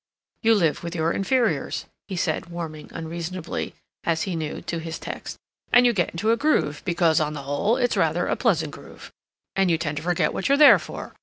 "You live with your inferiors," he said, warming unreasonably, as he knew, to his text. "And you get into a groove because, on the whole, it's rather a pleasant groove. And you tend to forget what you're there for.